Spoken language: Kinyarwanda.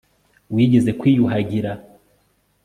wigeze kwiyuhagira